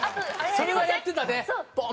それはやってたでボン！